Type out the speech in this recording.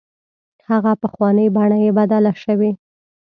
هغه پخوانۍ بڼه یې بدله شوې.